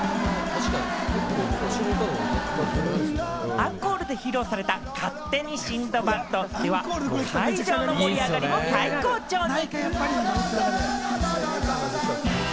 アンコールで披露された『勝手にシンドバッド』では、会場の盛り上がりも最高潮に！